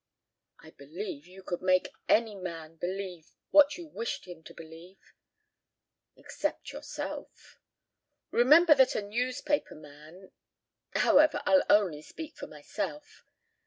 "I believe you could make any man believe what you wished him to believe." "Except yourself." "Remember that a newspaper man However, I'll speak only for myself."